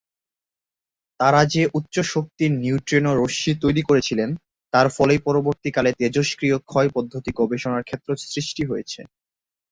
তারা যে উচ্চ শক্তির নিউট্রিনো রশ্মি তৈরি করেছিলেন তার ফলেই পরবর্তীকালে তেজস্ক্রিয়-ক্ষয় পদ্ধতি গবেষণার ক্ষেত্র সৃষ্টি হয়েছে।